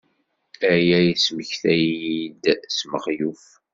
Aya yesmektay-iyi-d s Mexluf.